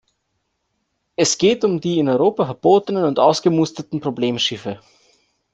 Es geht um die in Europa verbotenen und ausgemusterten Problemschiffe.